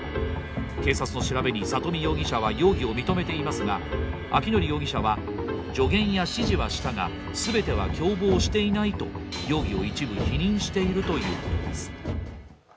警察の調べに佐登美容疑者は容疑を認めていますが、明範容疑者は助言や指示はしたが全ては共謀していないと容疑を一部否認しているということです。